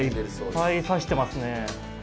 いっぱい指してますね。